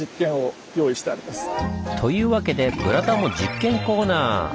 というわけでブラタモ実験コーナー！